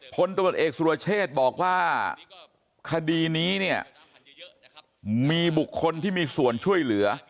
พลตำรวจเอกสุรเชษบอกว่าคดีนี้เนี่ยมีบุคคลที่มีส่วนช่วยเหลือ